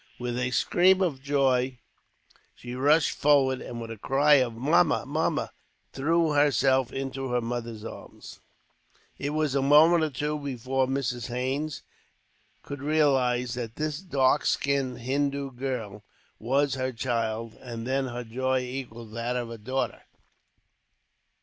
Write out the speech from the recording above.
With a scream of joy she rushed forward, and with a cry of, "Mamma, Mamma!" threw herself into her mother's arms. It was a moment or two before Mrs. Haines could realize that this dark skinned Hindoo girl was her child, and then her joy equalled that of her daughter.